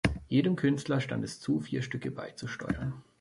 Jedem Künstler stand es zu, vier Stücke beizusteuern.